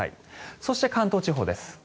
そして、関東地方です。